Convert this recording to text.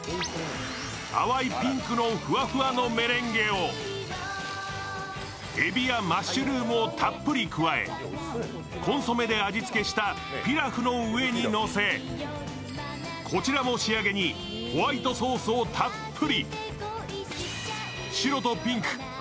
淡いピンクのふわふわのメレンゲをえびやマッシュルームをたっぷり加え、コンソメで味付けしたピラフの上にのせ、こちらも仕上げにホワイトソースをたっぷり。